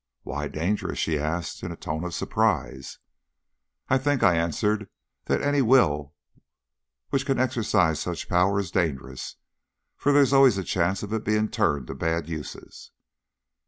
"Why dangerous?" she asked, in a tone of surprise. "I think," I answered, "that any will which can exercise such power is dangerous for there is always a chance of its being turned to bad uses."